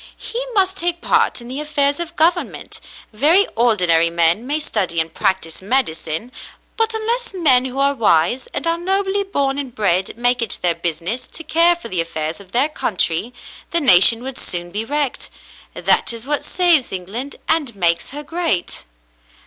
"He must take part in the affairs of government. Very ordinary men may study and practise medicine, but unless men who are wise, and are nobly born and bred, make it their business to care for the affairs of their country, the nation w^ould sooh be wrecked. That is what saves Eng land and makes her great."